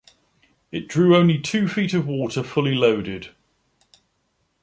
It drew only two feet of water fully loaded.